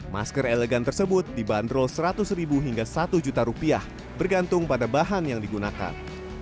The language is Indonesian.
masker elegan tersebut dibanderol seratus ribu hingga satu juta rupiah bergantung pada bahan yang digunakan